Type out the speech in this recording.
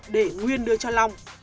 để nguyên đưa cho long